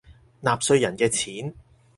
納稅人嘅錢